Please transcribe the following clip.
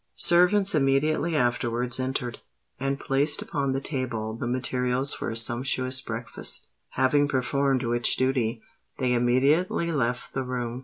Servants immediately afterwards entered, and placed upon the table the materials for a sumptuous breakfast, having performed which duty they immediately left the room.